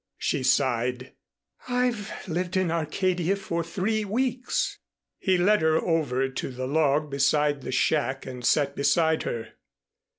She sighed. "I've lived in Arcadia for three weeks." He led her over to the log beside the shack and sat beside her.